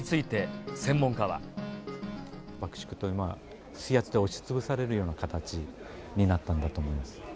爆縮という水圧で押しつぶされるような形になったんだと思います。